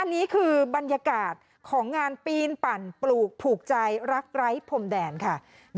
อันนี้คือบรรยากาศของงานปีนปั่นปลูกผูกใจรักไร้พรมแดนค่ะ